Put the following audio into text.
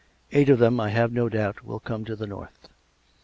Eight of them, I have no doubt, will come to the north.